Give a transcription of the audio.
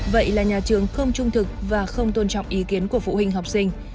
vậy là nhà trường không trung thực và không tôn trọng ý kiến của phụ huynh học sinh